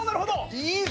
いいぞ！